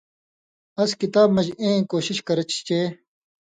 اس کتاب مژ اِیں کوشش کرہ چھی چے